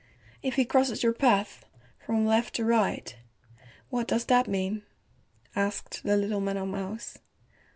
"If he crosses your path from left to right, what does that mean?" asked the little meadowmouse.